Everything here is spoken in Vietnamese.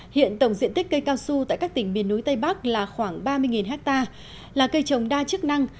hiện tổng diện tích cây cao su tại các tỉnh miền núi tây bắc là khoảng ba mươi ha là cây trồng đa chức năng